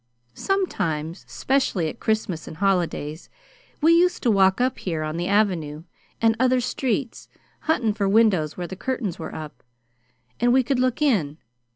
"Sometimes, 'specially at Christmas and holidays, we used to walk up here on the Avenue, and other streets, huntin' for windows where the curtains were up, and we could look in.